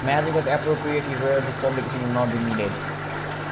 If magic was appropriately rare, this publication would not be needed.